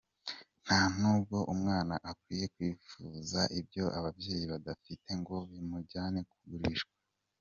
Nta n’ubwo umwana akwiye kwifuza ibyo ababyeyi badafite ngo bimujyane kugurishwa.